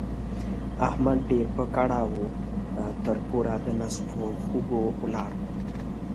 احمد ډېر په کړاو وو؛ تر کوره د نس په خوږو ولاړ.